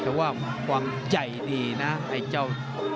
แต่ว่าความใจดีนะไอ้เจ้า